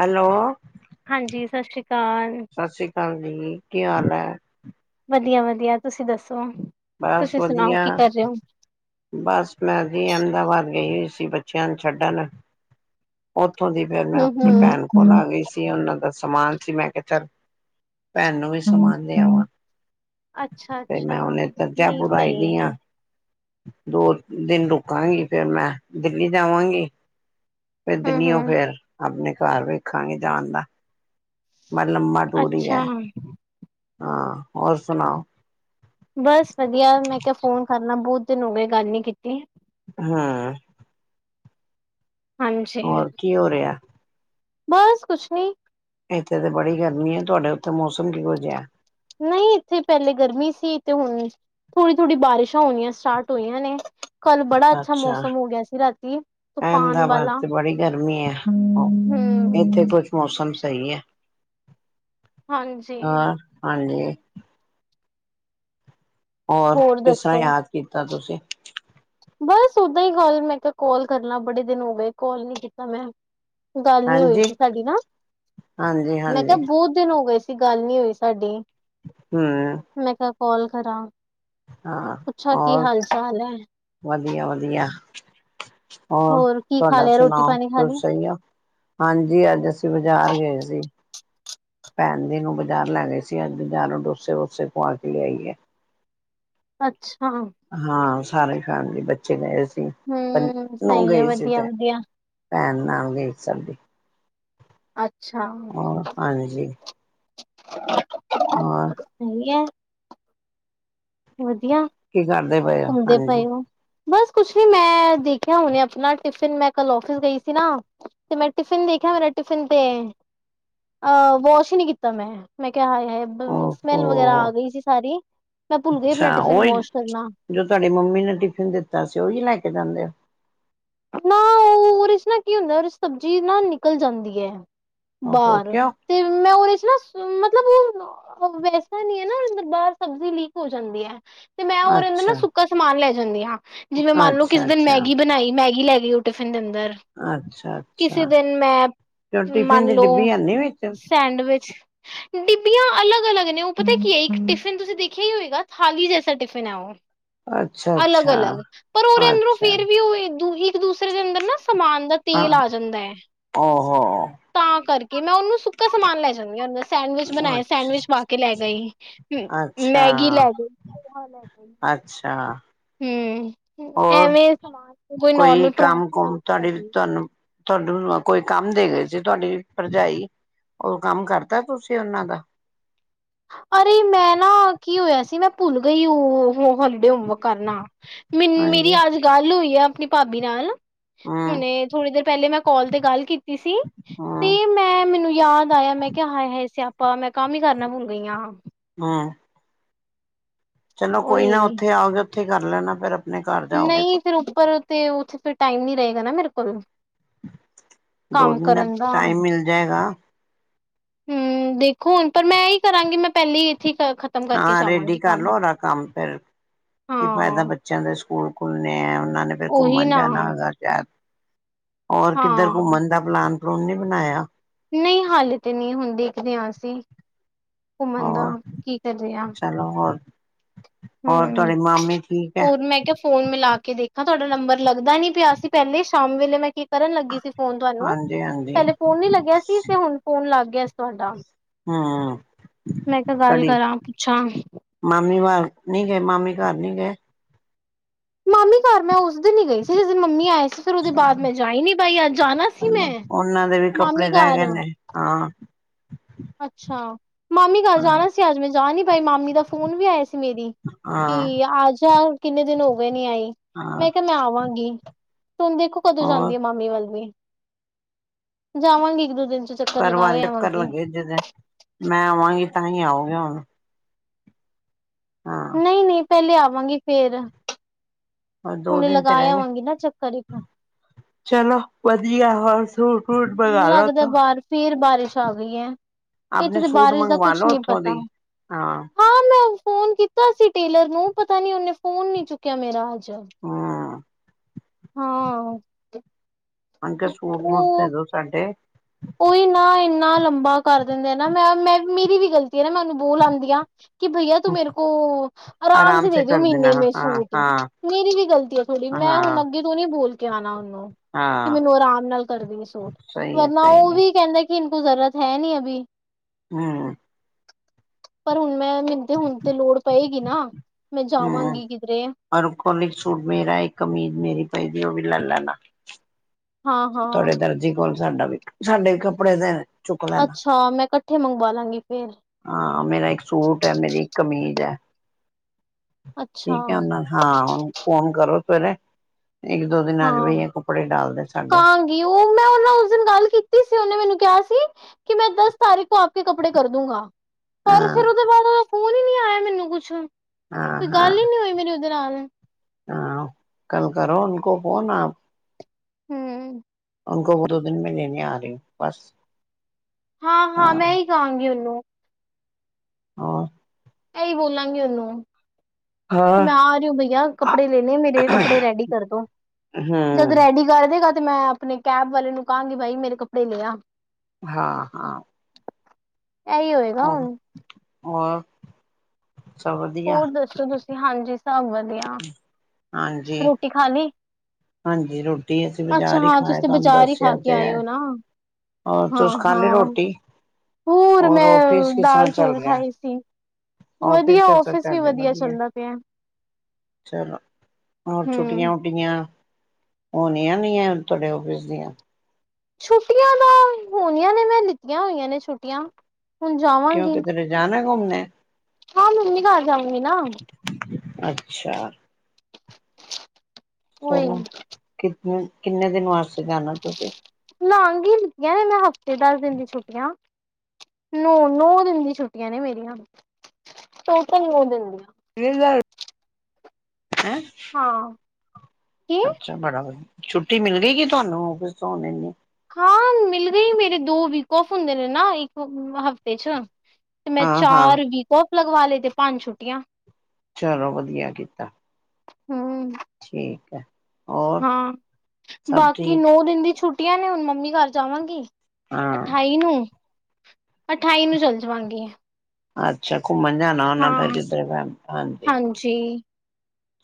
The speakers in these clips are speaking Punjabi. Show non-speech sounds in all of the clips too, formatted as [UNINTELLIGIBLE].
ਹੈਲੋ, ਹਾਂਜੀ ਸ਼੍ਰੀ ਅਕਾਲ ਸਤਿ ਸ਼੍ਰੀ ਅਕਾਲ ਜੀ, ਕੀ ਹਾਲ ਹੈ? ਵਧੀਆ ਵਧੀਆ, ਤੁਸੀਂ ਦੱਸੋ, ਬਸ ਤੁਸੀਂ ਸੁਣਾਓ ਵਧੀਆ ਕੀ ਕਰ ਰਹੇ ਹੋ? ਬਸ, ਮੈਂ ਜੀ ਅਹਿਮਦਾਬਾਦ ਗਈ ਹੋਈ ਸੀ, ਬੱਚਿਆਂ ਨੂੰ ਛੱਡਣ ਉੱਥੋਂ ਦੀ ਫਿਰ, ਮੈਂ ਆਪਣੀ ਭੈਣ ਹਮ ਕੋਲ ਆ ਗਈ ਸੀ। ਉਹਨਾਂ ਦਾ ਸਮਾਨ ਸੀ, ਮੈਂ ਕਿਹਾ ਚੱਲ ਭੈਣ ਨੂੰ ਵੀ ਸਮਾਨ ਦੇ ਹਮ ਅਵਾ, ਅੱਛਾ ਤੇ ਅੱਛਾ ਮੈਂ ਇੱਧਰ, ਨਹੀਂ ਜੈਪੂਰ ਆਈ ਸਹੀ ਦੀ ਹੈ ਆ। 'ਦੋ ਦਿਨ ਰੁਕਾਂਗੀ, ਫੇਰ ਮੈਂ ਦਿੱਲੀ ਜਾਵਾਂਗੀ। ਫੇਰ ਹਮ ਦਿੱਲੀਓਂ ਹਮ ਫੇਰ, ਆਪਣੇ ਘਰ ਵੇਖਾਂਗੇ ਜਾਣ ਦਾ। ਬੜ ਲੰਮਾ ਟੂਰ ਹੀ ਹੈ, ਅੱਛਾ ਹਾਂ, ਹੋਰ ਸੁਣਾਓ? ਬਸ ਵਧੀਆ, ਮੈਂ ਕਿਹਾ ਫੋਨ ਕਰਲਾ, ਬਹੁਤ ਦਿਨ ਹੋ ਗਏ ਗੱਲ ਨੀ ਕੀਤੀ। ਹਾਂ। ਹਾਂਜੀ। ਹੋਰ ਕੀ ਹੋ ਰਿਹਾ? ਬਸ, ਕੁਛ ਨੀ ਇੱਥੇ ਤਾਂ ਬੜੀ ਗਰਮੀ ਹੈ, ਤੁਹਾਡੇ ਉੱਥੇ ਮੌਸਮ ਕਿਹੋ ਜਿਹਾ ਹੈ? ਨਹੀਂ, ਇੱਥੇ ਪਹਿਲੇ ਗਰਮੀ ਸੀ, ਤੇ ਹੁਣ ਥੋੜ੍ਹੀ-ਥੋੜ੍ਹੀ ਬਾਰਿਸ਼ਾਂ ਹੋਣੀਆਂ, ਸਟਾਰਟ ਹੋਈਆਂ ਨੇ। ਕੱਲ ਬੜਾ ਅੱਛਾ ਮੌਸਮ ਹੋ ਗਿਆ ਸੀ, ਰਾਤੀ, ਤੂਫਾਨ ਅਹਿਮਦਾਬਾਦ ਵਾਲਾ ਤੇ ਬੜੀ ਗਰਮੀ ਹੈ। ਇੱਥੇ ਹਮ ਕੁਛ ਮੌਸਮ ਸਹੀ ਹੈ, ਹਾਂਜੀ ਹਾਂ, ਹਾਂਜੀ। ਹੋਰ, ਕਿਸਰਾ ਯਾਦ ਕੀਤਾ ਤੁਸੀਂ? ਬਸ ਓਦਾਂ ਹੀ [UNINTELLIGIBLE] ਮੈਂ ਕਿਹਾ ਕੋਾਲ ਕਰਲਾ, ਬੜੇ ਦਿਨ ਹੋ ਗਏ, ਕਾਲ ਨੀ ਕੀਤਾ ਮੈਂ। ਗੱਲ ਨੀ ਹੋਈ ਹਾਂਜੀ, ਸੀ ਸਾਡੀ ਨਾ, ਹਾਂਜੀ, ਮੈਂ ਕਿਹਾ ਹਾਂਜੀ ਬਹੁਤ ਦਿਨ ਹੋ ਗਏ ਸੀ, ਗੱਲ ਨੀ ਹੋਈ ਸਾਡੀ ਹਮ। ਮੈਂ ਕਿਹਾ, ਕਾਲ ਕਰਾਂ ਹਾਂ ਪੁੱਛਾ, ਕੀ ਔਰ ਹਾਲ ਚਾਲ ਹੈ। ਵਧੀਆ, ਵਧੀਆ। ਹੋਰ ਕੀ ਖਾ ਤੁਹਾਡਾ ਲਿਆ ਰੋਟੀ ਸੁਣਾਓ, ਪਾਣੀ ਖਾ ਲਈ ਤੁਸ ਸਹੀ ਹੋ? ਹਾਂਜੀ, ਅੱਜ ਅਸੀਂ ਬਾਜ਼ਾਰ ਗਏ ਸੀ। ਭੈਣ ਦੀ ਨੂੰਹ ਬਾਜ਼ਾਰ ਲੈ ਗਏ ਸੀ ਅੱਜ, ਬਾਜ਼ਾਰੋਂ ਡੋਸੇ-ਵੋਸੇ ਖਾਵਾ ਕੇ ਲਿਆਈ ਹੈ। ਅੱਛਾ। ਹਾਂ, ਸਾਰੀ ਫੈਮਲੀ, ਬੱਚੇ ਗਏ ਸੀ। ਹਮ, ਨੂੰ ਸਹੀ ਏ, ਗਈ ਸੀ ਵਧੀਆ ਤੇ ਵਧੀਆ। ਭੈਣ, ਨਾਲ ਗਈ ਸ ਸਾਡੀ ਅੱਛਾ। ਹੋਰ ਔਰ? ਵਧੀਆ। ਵਧੀਆ, ਕੀ ਕਰਦੇ ਪਏ ਹੋ ਘੁੰਮਦੇ ਹਾਂਜੀ ਪਏ ਹੋ। ਬਸ ਕੁਛ ਨੀ, ਮੈਂ ਦੇਖਿਆ ਹੁਣੇ ਆਪਣਾ ਟਿਫਿਨ, ਮੈਂ ਕੱਲ ਆਫਿਸ ਗਈ ਸੀ ਨਾ ਤੇ ਮੈਂ ਟਿਫਿਨ ਦੇਖਿਆ, ਮੇਰਾ ਟਿਫਿਨ ਤੇ ਅਹ ਵਾਸ਼ ਹੀ ਨਹੀਂ ਕੀਤਾ ਮੈਂ, ਮੈਂ ਕਿਹਾ ਆਏ ਹਾਏ, ਸਮੈਲ ਵਗੈਰਾ ਓਹੋ ਆ ਗਈ ਸੀ ਸਾਰੀ ਮੈਂ ਭੁੱਲ ਗਈ ਆਪਣਾ ਅੱਛਾ ਟਿਫਿਨ ਉਹੀ, ਵਾਸ਼ ਕਰਨਾ, ਜੋ ਤੁਹਾਡੀ ਮੰਮੀ ਨੇ ਟਿਫਿਨ ਦਿੱਤਾ ਸੀ, ਉਹੀ ਲੈ ਕੇ ਜਾਂਦੇ ਹੋ? ਨਾ, ਉਹਦੇ 'ਚ ਨਾ ਕੀ ਹੁੰਦਾ, ਸਬਜ਼ੀ ਨਾ ਨਿਕਲ ਜਾਂਦੀ ਹੈ। ਹੋ ਓਹੋ ਨਾਰ ਕਿਉਂ ਤੇ ਮੈਂ ਉਹਦੇ ਚ ਸੂ ਮੱਤਲਬ ਉਹ ਵੈਸਾ ਨੀਂ ਹੈ ਨਾ, ਏਧਰ ਬਾਹਰ ਸਬਜ਼ੀ ਲੀਕ ਹੋ ਜਾਂਦੀ ਐ। ਅੱਛਾ। ਸਮਾਨ ਲੈ ਜਾਂਦੀ ਹਾਂ, ਜਿਵੇਂ ਮੰਨ ਲਓ ਕਿਸੇ ਅੱਛਾ ਦਿਨ ਅੱਛਾ ਮੈਗੀ ਬਣਾਈ ਮੈਗੀ ਲੈ ਗਈ ਉਹ ਟਿਫਨ ਦੇ ਅੰ -ਦਰ ਅੱਛਾ ਕਿਸ਼ੇ ਅੱਛਾ ਦਿਨ ਮੈਂ ਕਿਉਂ ਟਿਫਿਨ ਮੰਨ ਦੀ ਲਓ। ਡਿੱਬੀ ਹੈਨੀ ਵਿੱਚ ਸੈਂਡਵਿਚ। ਡਿੱਬੀਆਂ ਅਲੱਗ-ਅਲੱਗ ਨੇ, ਉਹ ਪਤਾ ਕੀ ਏ ਇੱਕ ਟਿਫਿਨ ਤੁਸੀਂ ਦੇਖਿਆ ਈ ਹੋਏਗਾ ਥਾਲੀ ਜੈਸਾ ਟਿਫਿਨ ਐ ਉਹ। ਅੱਛਾ ਅੱਛਾ ਅਲੱਗ-ਅਲੱਗ ਪਰ ਉਹਦੇ ਅੰਦਰੋਂ ਅੱਛਾ ਫ਼ੇਰ ਵੀ ਉਈ ਊਹੀ ਇੱਕ-ਦੂਸਰੇ ਦੇ ਅੰਦਰ ਨਾ ਸਮਾਨ ਦਾ ਤੇਲ ਆ ਜਾਂਦਾ ਐ। ਹਾਂ -ਹਾਂ। ਤਾਂ ਕਰਕੇ ਮੈਂ ਉਹਨੂੰ ਸੁੱਕਾ ਸਮਾਨ ਲੈ ਜਾਂਨੀ ਆ ਉਹ ਸੈਂਡਵਿਚ ਬਣਾਏ, ਅੱਛਾ ਸੈਂਡਵਿਚ ਪਾ ਕੇ ਲੈ ਗਈ, ਅੱਛਾ ਮੈਗੀ ਲੈ ਗਈ। ਅੱਛਾ ਹੂੰ। ਹੋਰ ਐਵੇਂ ਸਮਾਂਨ ਕੋਈ ਨੋਰਮਲ ਪਰਾਂਠੇ ਹੋਏ ਉਹ ਲੈ ਗਈ। ਤੁਹਾਂਨੂੰ ਕੋਈ ਕੰਮ ਦੇ ਗਏ ਸੀ ਤੁਹਾਡੀ ਭਰਜਾਈ, ਉਹ ਕੰਮ ਕਰਤਾ ਤੁਸੀਂ ਉਹਨਾਂ ਦਾ। ਅਰੇ ਮੈਂ ਨਾ ਕੀ ਹੋਇਆ ਸੀ, ਮੈਂ ਭੁੱਲ ਗਈ ਉਹ ਹੋ ਹੋਲੀਡੇ ਹੋ ਵਰਕ। ਕਰਨਾ ਮੇ ਹਾਂਜੀ ਮੇਰੀ ਅੱਜ ਗੱਲ ਹੋਈ ਆ ਆਪਣੀ ਭਾਬੀ ਨਾਲ। ਹੂੰ ਹੁਣੇ ਥੋੜ੍ਹੀ ਦੇਰ ਪਹਿਲੇ ਮੈਂ ਕਾਲ ਤੇ ਗੱਲ ਕੀਤੀ ਸੀ, ਹੂੰ ਤੇ ਮੈਂ ਮੈਨੂੰ ਯਾ ਦ ਆਇਆ, ਮੈਂ ਕਿਹਾ ਹਾਏ-ਹਾਏ ਸਿਆਪਾਂ ਮੈਂ ਕੰਮ ਈ ਕਰਨਾ ਭੁੱਲ ਗਈ ਆ। ਹੂੰ। ਚਲੋ ਕੋਈ ਨਾ ਉਹੀ ਉੱਥੇ ਆਓਗੇ, ਉੱਥੇ ਕਰ ਲੈਣਾ ਫ਼ਿਰ। ਨਈ ਫ਼ਿਰ ਉੱਪਰ ਤੇ ਉੱਥੇ ਫ਼ੇਰ ਟਾਇਮ ਨੀਂ ਰਏਗਾ ਨਾ ਮੇਰੇ ਕੋਲ਼। ਦੋ ਦਿਨ ਦਾ ਟਾਇਮ ਮਿਲ਼ ਜਾਏਂਗਾ। ਹੂੰ, ਦੇਖੋ ਹੁਣ ਪਰ ਮੈਂ ਐ ਈ ਕਰਾਂਗੀ, ਮੈਂ ਪਹਿਲੇ ਇੱਥੇ ਈ ਖ ਹਾਂ ਰੇਡੀ ਕਰਲੋ ਉਹਦਾ ਕੰਮ ਫਿਰ, ਕੀ ਹਾਂ ਫਾਇਦਾ ਬੱ ਚਿਆਂ ਦੇ ਸਕੂਲ ਖੁੱਲ੍ਹਣੇ ਐਂ, ਉਹਨਾਂ ਨੇ ਫਿਰ ਉਹੀ ਘੁੰਮਣ ਨਾ ਜਾਣਾ ਹੋਏਗਾ ਸ਼ੈਦ। ਔਰ ਕਿੱਧਰ ਹਾਂ ਘੁੰਮਣ ਦਾ ਪਲਾਨ- ਪਲੂਨ ਨੀਂ ਬਣਾਇਆਂ। ਨਹੀਂ ਹਾਲੇ 'ਤੇ ਨੀ ਹੁਣ ਦੇਖਦੇ ਆ ਅਸੀਂ, ਘੁੰਮਣ ਦਾ ਕੀ ਕਰ ਕਰਦੇਂ ਆ। ਲਾਹੋਰ। ਹੂੰ, ਠੀਕ ਹੈ ਹੋਰ ਮੈਂ ਕਿਹਾ ਫ਼ੋਨ ਮਿਲ਼ਾ ਕੇ ਦੇਖਾਂ, ਤੁਹਾਡਾ ਨੰਬਰ ਲੱਗਦਾ ਨੀ ਪਿਆ ਸੀਂ ਪਹਿਲੇ ਸ਼ਾਮ ਵੇਲੇ ਮੈਂ ਕਰਨ ਲੱਗੀ ਸੀ ਫੋਨ ਤੁਹਾਂਨੂੰ, ਹਾਂਜੀ ਹਾਂਜੀ ਪਹਿਲੇ ਫੋਨ ਨੀ ਲੱਗਿਆ ਸੀ 'ਤੇ ਹੁਣ ਫੋਨ ਲੱਗ ਗਿਆ ਸੀ ਤੁਹਾਡਾ। ਹਮ ਮੈਂ ਕਿਹਾ ਗੱਲ ਕਰਾਂ ਪੁੱਛਾਂ। ਮਾਮੀਂ ਵਾਰ ਨੀ ਗਏ ਮਾਮੀਂ ਘਰ ਨੀ ਗਏ। ਮਾਮੀਂ ਘਰ ਮੈਂ ਉਸ ਦਿਨ ਈ ਗਈ ਸੀ, ਜਿਸ ਦਿਨ ਮੰਮੀ ਆਏਂ ਸੀ। ਫਿਰ ਉਹਦੇ ਬਾਅਦ ਚਲੋ ਮੈਂ ਜਾਂ ਈ ਨੀ ਪਾਈ, ਅੱਜ਼ ਜਾਣਾਂ ਸੀ ਮੈਂ ਚਲੋ ਉਹਨਾਂ ਦੇ ਵੀ ਕੱਪੜੇ ਮਾਮੀਂ ਰਹਿ ਗਏ ਘਰ। ਨੇ ਹਾਂ। ਅੱਛਾ, ਮਾਮੀਂ ਘਰ ਹਾਂ ਜਾਣਾ ਸੀ। ਅੱਜ ਮੈਂ ਜਾ ਨੀ ਪਾਈ ਮਾਮੀਂ ਦਾ ਫ਼ੋਨ ਵੀ ਆਇਆ ਸੀ। ਮੇਰੀ ਕਿ ਹਾਂ ਆਂਜਾ, ਕਿੰਨੇ ਦਿਨ ਹੋਗੇ ਨੀਂ ਆਈਂ। ਹਾਂ ਮੈਂ ਕਿਹਾ ਮੈਂ ਆਵਾਂਗੀ, ਹੁਣ ਦੇਖੋਂ ਕਦੋਂ ਹੋਰ ਜਾਂਦੀ ਆ ਮਾਮੀਂ ਵੱਲ ਵੀ। ਜਾਵਾਂਗੀ ਇੱਕ- ਦੋ ਦਿਨ 'ਚ। ਚੱਕਰ ਘਰ ਲਗਾ ਵੱਲ ਟੱਕਰ ਆਵਾਂਗੀ ਲੱਗੇ ਜਦ, ਮੈਂ ਆਵਾਂਗੀ ਤਾਂ ਈ ਆਓਗੇ ਹੁਣ। ਹਾਂ। ਨਹੀ-ਨਹੀ ਪਹਿਲੇ ਆਵਾਂਗੀ ਫ਼ਿਰ। ਹੋਰ ਦੋ ਹੁਣੇ ਦਿਨ ਤੇ ਲਗਾਂ ਰਹਿ ਗਏ ਆਵਾਂਗੀ ਨਾ ਚੱਕਰ ਇੱਕ। ਚਲੋ ਵਧੀਆ ਹੋਰ ਸੂ ਲੱਗਦਾ ਬਾਹਰ ਫੇਰ ਬਾਰਿਸ਼ ਆ ਗਈ ਐ ਇੱਕ ਆਪਣੇ ਤੇ ਸੂਟ ਬਾਰਿਸ਼ ਦਾ ਮੰਗਵਾ ਕੁਛ ਲੋ ਨੀ ਉੱਥੋਂ ਪਤਾ ਦੀ ਹਾਂ ਮੈਂ ਫੋਨ ਕੀਤਾ ਸੀ ਟੇਲਰ ਨੂੰ ਪਤਾ ਨੀ ਉਹਨੇ ਫੋਨ ਨੀ ਚੁੱਕਿਆ ਮੇਰਾ ਹਜੇ ਹੂੰ ਹਾਂ ਅੰਡਰ ਸੂਟ ਮੂਟ ਦੇ ਦੋ ਸਾਡੇ ਉਈ ਨਾ ਇੰਨਾ ਲੰਬਾ ਕਰ ਦਿੰਦੇ ਨਾ ਮੈਂ ਮੈਂ ਮੇਰੀ ਵੀ ਗ਼ਲਤੀ ਐ ਨਾ ਮੈਂ ਉਹਨੂੰ ਬੋਲ ਆਂਦੀ ਆ ਕੀ ਭਈਆ ਤੂੰ ਮੇਰੇ ਕੋ ਆਰਾਮ ਸੇ ਦੇ ਦਿਓ ਮ੍ਹੀਨੇ ਮੇ ਹਾਂ ਸੂਟ ਹਾਂ ਮੇਰੀ ਵੀ ਗ਼ਲਤੀ ਏ ਥੋੜ੍ਹੀ ਮੈਂ ਹੁਣ ਹਾਂ ਅੱਗੇ ਤੋਂ ਨੀ ਬੋਲ ਕੇ ਆਣਾ ਕਿ ਹਾਂ ਮੈਨੂੰ ਆਰਾਮ ਨਾਲ ਕਰਦੀ ਸੂਟ ਸਹੀ ਹੈ ਨਾ ਸਹੀ ਉਹ ਹੈ ਵੀ ਕਹਿੰਦਾ ਕਿ ਇਨ ਕੋ ਜ਼ਰਰਤ ਹੈ ਨੀ ਅਭੀ ਹੈਂ ਪਰ ਹੁਣ ਮੈਂ ਮਨੂੰ ਤੇ ਹੁਣ ਤੋ ਲੋੜ ਪਏਗੀ ਨਾ ਮੈਂ ਜਾਵਾਂਗੀ ਕਿਧਰੇ ਓਹਦੇ ਕੋਲ [UNINTELLIGIBLE] ਇਕ ਸੂਟ ਮੇਰਾ ਇੱਕ ਕਮੀਜ਼ ਮੇਰੀ ਪਈਦੀ ਉਹ ਵੀ ਲੈ ਲੈਣਾ ਹਾਂ ਹਾਂ ਤੁਹਾਡੇ ਦਰਜੀ ਕੋਲ ਸਾਡਾ ਵੀ ਸਾਡੇ ਵੀ ਕੱਪੜੇ ਦੇ ਚੁੱਕ ਲੈਣਾ ਅੱਛਾ ਮੈਂ ਕੱਠੇ ਮੰਗਵਾ ਲਾਂਗੀ ਫੇਰ ਹਾਂ ਮੇਰਾ ਇੱਕ ਸੂਟ ਐ ਮੇਰੀ ਇੱਕ ਕਮੀਜ਼ ਹੈ ਅੱਛਾ ਠੀਕ ਹੈ ਓਹਨਾ ਦ ਹਾਂ ਓਹਨੂੰ ਫੋਨ ਕਰੋ ਸਵੇਰੇ ਇੱਕ ਦੋ ਦਿਨਾਂ ਚ ਬਈ ਇਹ ਕੱਪੜੇ ਡਾਲਦੇ ਸਾਡੇ ਕੀ ਊ ਮੈਂ ਉਹ ਨਾ ਉਸ ਦਿਨ ਗੱਲ ਕੀਤੀ ਸੀ ਉਹਨੇ ਮੈਨੂੰ ਕਿਹਾ ਸੀ ਕਿ ਮੈਂ ਦਸ ਤਾਰੀਕ ਕੋ ਆਪ ਕੇ ਕੱਪੜੇ ਕਰਦੂਗਾ ਪਰ ਫੇਰ ਹਾਂ ਉਹਦੇ ਬਾਅਦ ਓਹਦਾ ਫੋਨ ਹੀ ਨਹੀਂ ਆਇਆ ਮੈਨੂੰ ਕੁਛ ਹਾਂ ਕੋਈ ਹਾਂ ਗੱਲ ਹੀ ਨੀ ਹੋਈ ਮੇਰੀ ਉਸ ਦੇ ਨਾਲ ਹਾਂ ਕੱਲ ਕਰੋ ਉਨਕੋੋ ਫ਼ੋਨ ਆਪ ਹਮ ਉਨਕੋ ਬੋਲੋ ਦੋ ਦਿਨ ਮੇ ਮੈਂ ਲੇਣੇ ਆ ਰਹੀ ਹੂੰ ਬਸ ਹਾਂ ਹਾਂ ਮੈਂ ਇਹੀ ਕਹਾਂਗੀ ਉਹਨੂੰ ਹੋਰ ਐਹੀ ਬੋਲਾਂਗੀ ਉਹਨੂੰ ਮੈਂ ਆ ਰਹੀ ਹੋ ਬਈਆ ਕੱਪੜੇ ਲੇਣੇ ਮੇਰੇ ਕੱਪੜੇ ਰੈਡੀ ਕਰਦੋ ਜਦ ਰੈਡੀ ਕਰ ਦੇਗਾ ਤੇ ਮੈਂ ਆਪਣੇ ਕੈਬ ਵਾਲੇ ਨੂੰ ਕਹਾਂਗੀ ਬਾਈ ਮੇਰੇ ਕੱਪੜੇ ਲੇ ਆ ਹਾਂ ਹਾਂ ਇਹੀ ਹੋਏ ਆਹ ਹੋਰ [UNINTELLIGIBLE] ਹੋਰ ਦੱਸੋ ਤੁਸੀਂ ਹਾਂਜੀ ਸਭ ਵਧੀਆ ਹਾਂਜੀ ਰੋਟੀ ਖਾ ਲੀ ਹਾਂਜੀ ਰੋਟੀ ਅਸੀਂ ਅੱਛਾ ਬਾਜ਼ਾਰ ਹੀ ਹਾਂ ਖਾਇਆ ਤੁਸੀ ਤੁਹਾਨੂੰ ਬਜ਼ਾਰ ਹੀ ਖਾ ਕੇ ਆਏ ਹੋ ਨਾ ਹੋਰ ਹਾਂ ਤੁਸ ਖਾਲੀ ਹਾਂ ਰੋਟੀ ਹੋਰ ਔਫਿਸ ਕਿਸ ਤਰ੍ਹਾਂ ਦਾਲ ਚੱਲ ਚੌਲ ਰਿਹਾ ਖਾਏ ਸੀ ਔਫਿਸ ਵਧੀਆ ਕੈਸਾ ਆਫਿਸ ਵੀ ਚਲਰਿਆ ਵਧੀਆ ਚੱਲਦਾ ਪਿਆ ਚਲੋ ਹੋਰ ਹਮ ਛੁੱਟੀਆਂ ਟੀਆਂ ਹੋਣੀਆਂ ਨੀ ਹੈ ਤੁਹਾਡੇ ਔਫਿਸ ਦੀਆਂ ਛੁੱਟੀਆਂ ਤਾਂ ਹੋਣੀਆਂ ਨੇ ਮੈਂ ਲਿੱਤੀਆਂ ਹੋਈਆਂ ਨੇ ਛੁੱਟੀਆਂ ਹੁਣ ਜਾਵਾਂ ਕਿਉਂ ਕਿਧਰੇ ਜਾਣਾ ਘੁੰਮਣੇ ਹਾਂ ਮੰਮੀ ਘਰ ਜਾਊਂਗੀ ਨਾ ਅੱਛਾ ਉਹੀ ਚਲੋ ਕਿੰਨੇੰ ਕਿੰਨੇ ਦਿਨ ਵਾਸਤੇ ਜਾਣਾ ਤੁਸੀਂ? ਲਾਂਘ ਹੀ ਲਿੱਤੀਆਂ ਨੇ ਮੈਂ ਹਫ਼ਤੇ ਦਸ ਦਿਨ ਦੀ ਛੁੱਟੀਆਂ। ਨੌ ਨੌ ਦਿਨ ਦੀ ਛੁੱਟੀਆਂ ਨੇ ਮੇਰੀਆਂ ਟੋਟਲ ਨੌ ਦਿਨ ਦੀਆਂ। [UNINTELLIGIBLE] ਹੈਂ ਹਾਂ। ਕੀ ਅੱਛਾ ਬੜਾ ਵਧੀਆ ਛੁੱਟੀ ਮਿਲੀ ਗੀ ਤੁਹਾਨੂੰ ਔਫਿਸ ਤੋਂ ਹਾਂ ਮਿਲ ਗਈ ਮੇਰੇ ਦੋ ਵੀਕ ਅੋਫ ਹੁੰਦੇ ਨੇ ਨਾ ਇੱਕ ਹਫ਼ਤੇ ਚ। ਤੇ ਮੈਂ ਹਾਂ ਹਾਂ ਚਾਰ ਵੀਕ ਅੋਫ ਲਗਵਾ ਲਏ ਤੇ ਪੰਜ ਛੁੱਟੀਆਂ। ਚਲੋ ਵਧੀਆ ਕੀਤਾ। ਹਮ। ਠੀਕ ਹੈ। ਹੋਰ ਹਾਂ ਸਭ ਬਾਕੀ ਠੀਕ ਨੋ ਦਿਨ ਦੀ ਛੁੱਟੀਆਂ ਨੇ ਹੁਣ ਮੰਮੀ ਘਰ ਜਾਵਾਂਗੀ। ਹਾਂ। ਅਠਾਈ ਨੂੰ ਅਠਾਈ ਨੂੰ ਚੱਲ ਜਾਵਾਂਗੀ ਅੱਛਾ ਘੁੰਮਣ ਜਾਣਾ ਹੋਨਾ ਫੇਰ [UNINTELLIGIBLE] ਹਾਂਜੀ। ਜੀ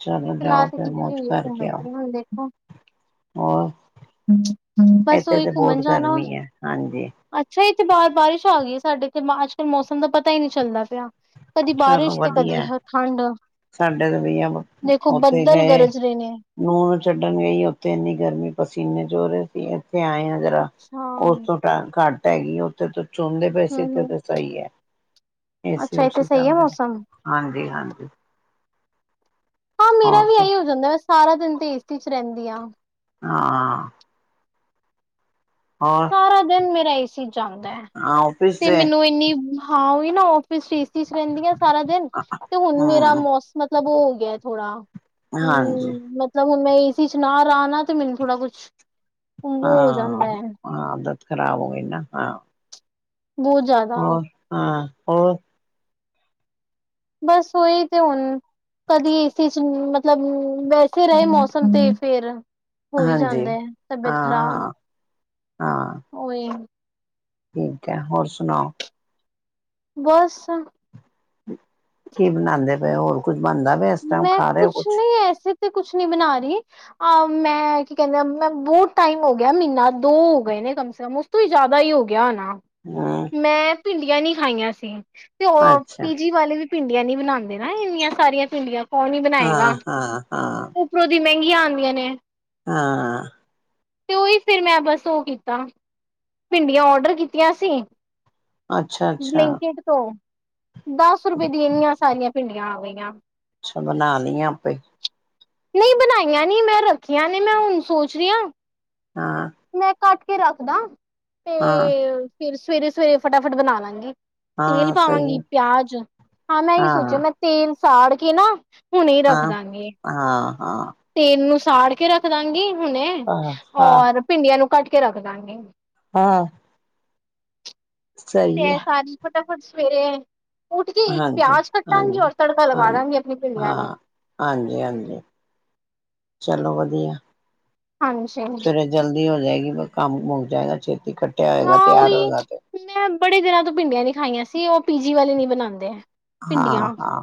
ਚਲੋ ਜਾਓ ਤੇ ਫਿਰ ਕੀਤੀ ਮੌਜ ਹੋਈ ਹੈ ਘੁੰਮਣ ਕਰਕੇ ਆਓ ਲਈ ਹੁਣ ਦੇਖੋ ਹੋਰ ਬਸ ਇੱਥੇ ਓਹੀ ਤੇ ਘੁੰਮਣ ਬਹੁਤ ਜਾਣਾ ਗਰਮੀ ਹੈ ਹਾਂਜੀ ਅੱਛਾ ਇੱਥੇ ਬਾਹਰ ਬਾਰਿਸ਼ ਆ ਗਈ ਹੈ ਸਾਡੇ ਇਥੇ ਅੱਜ ਕੱਲ ਮੌਸਮ ਦਾ ਪਤਾ ਹੀ ਨਹੀਂ ਚੱਲਦਾ ਪਿਆ ਕਦੀ ਚਲੋ ਬਾਰਿਸ਼ ਤੇ ਕਦੀ ਵਧੀਆ ਠੰਡ ਸਾਡੇ ਤੇ ਵੀਈ ਆ ਦੇਖੋ ਉੱਥੇ ਬੱਦਲ ਗਏ ਗਰਜ ਰਹੇ ਨੇ। ਨੂਹ ਛੱਡਣ ਗਈ ਉੱਥੇ ਇੰਨੀ ਗਰਮੀ ਪਸੀਨੇ ਚੋ ਰਹੇ ਸੀ ਇੱਥੇ ਆਏ ਹ ਜਰਾ ਅੱਛਾ ਉਸ ਹਮ ਤੋਂ ਟੈਮ ਘੱਟ ਹੈਗੀ ਉੱਥੇ ਤ ਚੋਂਦੇ ਵੈਸੇ ਤਾਂ ਹਮ ਤਾਂ ਸਹੀ ਹੈ ਏਸੀ ਅੱਛਾ ਇੱਥੇ ਓਸੀ ਸਹੀ ਹੈ ਚਲਦੇ ਮੌਸਮ ਹਾਂਜੀ ਹਾਂਜੀ ਹਾਂ ਮੇਰਾ ਹੋਰ ਵੀ ਸਬ ਇਹੀ ਹੋ ਜਾਂਦਾ ਮੈਂ ਸਾਰਾ ਦਿਨ ਤੇ ਏਸੀ ਚ ਰਹਿੰਦੀ ਹਾਂ ਹਾਂ ਹੋਰ ਸਾਰਾ ਦਿਨ ਮੇਰਾ ਏਸੀ ਚਲਦਾ ਹੈ ਤੇ ਮੈਨੂੰ ਇੰਨੀ ਹਾਂ ਉਹੀ ਨਾ ਔਫਿਸ ਚ ਏਸੀ ਚ ਰਹਿੰਦੀਆਂ ਸਾਰਾ ਦਿਨ ਤੇ ਹੁਣ ਮੇਰਾ ਹਮ ਮੌਸਮ ਮਤਲਬ ਉਹ ਹੋ ਗਿਆ ਥੋੜਾ ਹਾਂਜੀ ਹਮਤ ਮਤਲਬ ਹੁਣ ਮੈਂ ਏਸੀ ਚ ਨਾ ਰਹਾ ਨਾ ਤੇ ਮੈਨੂੰ ਥੋੜਾ ਕੁਛਗ ਹੋ ਜਾਂਦਾ ਹੈ ਖਰਾਬ ਹੋ ਗਏ ਨਾ ਹਾਂ ਬੂ ਜਾ ਹੋਰ ਹਾਂ ਹੋਰ ਬਸ ਉਹੀ ਤੇ ਹੁਣ ਕਦੀ ਏਸੀ ਮਤਲਬ ਵੈਸੇ ਰਹੇ ਮੌਸਮ ਤੇ ਫੇਰ ਹੋਈ ਹਾਂਜੀ ਜਾਂਦਾ ਹੈ ਤਬੀਅਤ ਖਰਾਬ ਹਾਂ ਹਾਂ ਉਹੀ ਠੀਕ ਹੈ ਹੋਰ ਸੁਣਾਓ ਬਸ ਕੀ ਬਣਾਂਦੇ ਪਏ ਹੋਰ ਕੁੱਝ ਬਣਦਾ ਪਿਆ ਇਸ ਟਾਈਮ ਮੈਂ ਖਾ ਰਹੇ ਹੋ ਕੁਛ ਨਹੀਂ ਐਸੇ ਤੇ ਕੁਛ ਨਹੀਂ ਬਣਾ ਰਹੀ ਅਹ ਮੈਂ ਕੀ ਕਹਿੰਦੇ ਮੈਂ ਬੋਤ ਟਾਈਮ ਹੋ ਗਿਆ ਮਹੀਨਾ ਦੋ ਹੋ ਗਏ ਨੇ ਕਮ ਸੇ ਕਮ ਤੋਂ ਹੀ ਜ਼ਿਆਦਾ ਹੀ ਹੋ ਗਿਆ ਨਾ ਹਾਂ ਮੈਂ ਭਿੰਡੀਆਂ ਨੀ ਖਾਈਆਂ ਸੀ ਤੇ ਉਹ ਅੱਛਾ ਪੀਜੀ ਵਾਲੇ ਵੀ ਭਿੰਡੀਆਂ ਨੀ ਬਣਾਂਦੇ ਨਾ ਇੰਨੀਆਂ ਸਾਰੀਆਂ ਭਿੰਡੀਆਂ ਕੌਣ ਈ ਹਾਂ ਬਣਾਏਗਾ ਹਾਂ ਹਾਂ ਉਪਰੋ ਦੀ ਮਹਿੰਗੀਆਂ ਆਂਦੀਆਂ ਨੇ। ਹਾਂ। ਤੇ ਉਹੀ ਫਿਰ ਮੈਂ ਬਸ ਉਹ ਕੀਤਾ। ਭਿੰਡੀਆਂ ਔਡਰ ਕੀਤੀਆਂ ਸੀ, ਅੱਛਾ ਅੱਛਾ ਬਲਿੰਕੇਟ ਤੋਂ। ਦਸ ਰੁਪਏ ਦੀਆਂ ਇੰਨੀਆਂ ਸਾਰੀਆਂ ਭਿੰਡੀਆਂ ਆ ਗਈਆਂ। ਅੱਛਾ ਬਣਾ ਲਈਆਂ ਆਪੇ। ਨਹੀਂ ਬਣਾਈਆਂ ਨੀ ਮੈਂ ਰੱਖੀਆਂ ਨੇ, ਮੈਂ ਹੁਣ ਸੋਚ ਰਹੀ ਆ ਹਾਂ। ਮੈਂ ਕੱਟ ਕੇ ਰੱਖਦਾ। ਹਾਂ। ਤੇ ਫਿਰ ਸਵੇਰੇ, ਸਵੇਰੇ ਫਟਾਫਟ ਬਣਾ ਲਾਂਗੀ। ਤੇਲ ਹਾਂ ਸਹੀ ਪਾਵਾਂਗੀ, ਪਿਆਜ, ਹਾਂ ਮੈਂ ਇ ਸੋਚਿਆ ਮੈਂ ਤੇਲ ਸਾੜ ਕੇ ਨਾ, ਹੁਣੇ ਰੱਖ ਹਾਂ ਦਾਂਗੇ। ਹਾਂ ਹਾਂ ਤੇਲ ਨੂੰ ਸਾੜ ਕੇ ਰੱਖਦਾਂਗੀ ਹੁਣੇ, ਹਾਂ ਹਾਂ ਔਰ ਭਿੰਡੀਆਂ ਨੂੰ ਕੱਟ ਕੇ ਰੱਖਦਾਂਗੀ। ਹਾਂ। ਤੇ ਸਹੀ ਹੈ ਸਾਰੀ ਫਟਾ ਫਟ ਸਵੇਰੇ, ਉੱਠ ਕੇ ਇੱਕ ਹਾਂਜੀ ਪਿਆਜ ਕੱਟਾਂਗੀ, ਹਾਂਜੀ ਔਰ ਤੜਕਾ ਲਗਾ ਹਾਂ ਦਾਂਗੀ ਆਪਣੀ ਭਿੰਡੀਆਂ ਨੂੰ। ਹਾਂ ਹਾਂਜੀ, ਹਾਂਜੀ ਚਲੋ ਵਧੀਆ। ਹਾਂਜੀ। ਸਵੇਰੇ ਜਲਦੀ ਹੋ ਜਾਏਗੀ, ਕੰਮ ਮੁੱਕ ਜਾਏਗਾ ਛੇਤੀ, ਕਟਿਆ ਹੋਏਗਾ ਹਾਂ ਤਿਆਰ ਉਹੀ ਹੋਏਗਾ ਤੇ। ਮੈਂ ਬੜੇ ਦਿਨਾਂ ਤੋਂ ਭਿੰਡੀਆਂ ਨੀ ਖਾਈਆਂ ਸੀ, ਉਹ ਪੀਜੀ ਵਾਲੇ ਨੀ ਬਣਾਦੇ ਹੈ। ਹਾਂ, ਹਾਂ।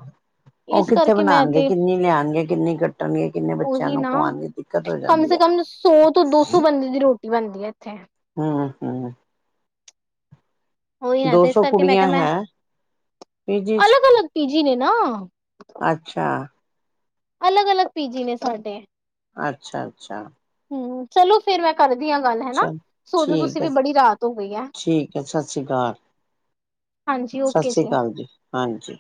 ਉਹ ਕਿੱਥੇ ਕਰਕੇ ਮੈਂ ਬਣਾਣਗੇ, ਤੇ ਕਿੰਨੀ ਲਿਆਣਗੇ, ਕਿੰਨੀ ਕੱਟਣਗੇ, ਕਿੰਨੇ ਬੱਚਿਆਂ ਉਹੀ ਨੂੰ ਨਾ ਖਵਾਉਣਗੇ? ਦਿੱਕਤ ਹੋ ਕਮ ਜਾਂਦੀ ਸੇ ਹੈ ਨਾ ਕਮ ਸੌ ਤੋਂ ਦੋ ਸੌ ਬੰਦੇ ਦੀ ਰੋਟੀ ਬਣਦੀ ਹੈ ਇੱਥੇ। ਹਮ, ਹਮ। ਉਹੀ ਨਾ ਦੋ ਤੇ ਇਸ ਸੌ ਕਰਕੇ ਮੈਂ ਕੁੜੀਆਂ ਕਿਹਾ ਮੈਂ, ਹੈ ਪੀਜੀ ਚ ਅਲੱਗ -ਅਲੱਗ ਪੀਜੀ ਨੇ ਨਾ। ਅੱਛਾ। ਅਲੱਗ- ਅਲੱਗ ਪੀ ਜੀ ਨੇ ਸਾਡੇ। ਅੱਛਾ, ਅੱਛਾ। ਹਮ। ਚਲੋ ਫੇਰ ਮੈਂ ਕਰਦੀ ਹਾਂ ਗੱਲ ਹੈਨਾ, ਚਲ ਸੋਜੋ ਤੁਸੀਂ ਠੀਕ ਵੀ ਹੈ ਬੜੀ ਰਾਤ ਹੋ ਗਈ ਏ। ਠੀਕ ਹੈ ਸਤਿ ਸ਼੍ਰੀ ਅਕਾਲ ਹਾਂਜੀ, ਸਤਿ ਓਕੇ ਸ਼੍ਰੀ ਜੀ। ਅਕਾਲ ਹਾਂਜੀ।